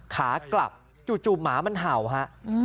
ขากลับจู่หมามันเห่าฮะ